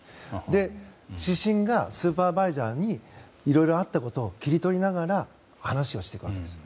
で、主審がスーパーバイザーにいろいろあったことを切り取りながら話をしていくわけです。